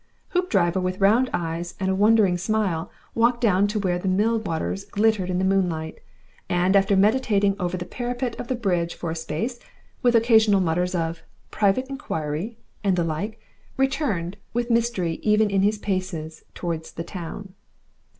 Hoopdriver, with round eyes and a wondering smile, walked down to where the mill waters glittered in the moonlight, and after meditating over the parapet of the bridge for a space, with occasional murmurs of, "Private Inquiry" and the like, returned, with mystery even in his paces, towards the town.